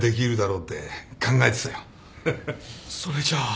それじゃあ。